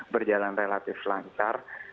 perjalanan relatif lancar